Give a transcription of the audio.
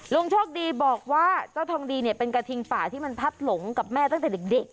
โชคดีบอกว่าเจ้าทองดีเนี่ยเป็นกระทิงป่าที่มันพัดหลงกับแม่ตั้งแต่เด็ก